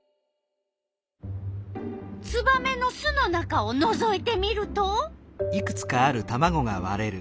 ツバメの巣の中をのぞいてみると。